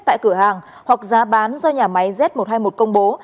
tại cửa hàng hoặc giá bán do nhà máy z một trăm hai mươi một công bố